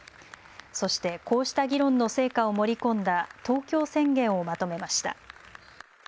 そしてこうした議論の成果を盛り込んだ東京宣言をまとめました。